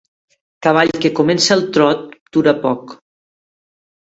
Cavall que comença al trot dura poc.